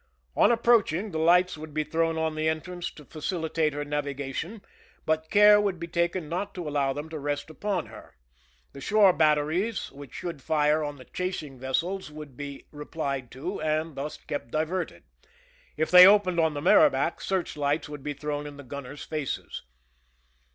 On approaching, the lights would be thrown on the entrance to facilitate her navigation, but care would be taken not to allow them to rest upon her. The shore batteries which should fire on the chasing vessels would be replied to and thus kept diverted. If they opened on the Merrimac^ search lights would be thrown in the gunners' faces.